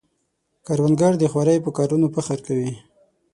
کروندګر د خوارۍ په کارونو فخر کوي